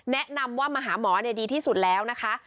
แนะนำว่ามาหาหมอดีที่สุดแล้วนะคะ